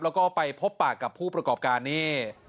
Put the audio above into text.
แล้วก็ไปพบปากกับผู้ประกอบการนี่